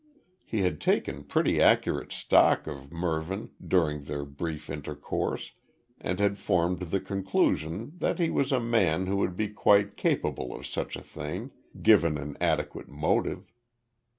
He had taken pretty accurate stock of Mervyn during their brief intercourse, and had formed the conclusion that he was a man who would be quite capable of such a thing, given an adequate motive.